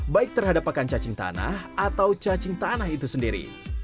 baik terhadapkan cacing tanah atau cacing tanah itu sendiri